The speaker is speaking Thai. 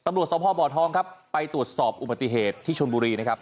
ตำรวจสพบทองครับไปตรวจสอบอุบัติเหตุที่ชนบุรีนะครับ